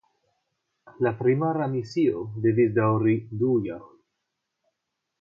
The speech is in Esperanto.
La primara misio devis daŭri du jarojn.